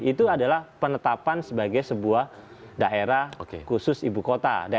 itu adalah penetapan sebagai sebuah daerah khusus ibu kota